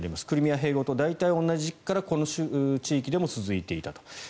クリミア併合と大体同じ時期からこの地域でも続いていたと。